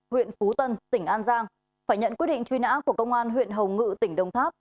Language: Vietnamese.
huyện phú tân tỉnh an giang phải nhận quyết định truy nã của công an huyện hồng ngự tỉnh đông tháp